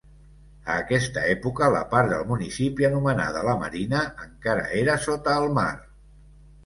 A aquesta època la part del municipi anomenada la Marina encara era sota el mar.